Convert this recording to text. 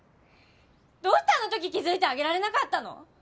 どうしてあのとき気づいてあげられなかったの？